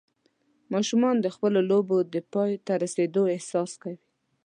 ماشومان د خپلو لوبو د پای ته رسېدو احساس کوي.